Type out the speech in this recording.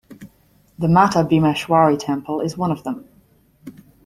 The Mata Bhimeshwari Temple is One of them.